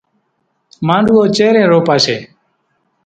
مانڏوُئو چيرين روپاشيَ۔